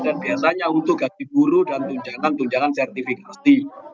dan biasanya untuk gaji guru dan tunjangan tunjangan sertifikasi